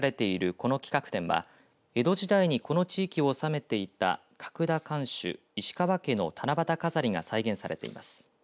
この企画展は、江戸時代にこの地域を治めていた角田館主、石川家の七夕飾りが再現されています。